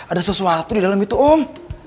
ada sesuatu di dalam itu om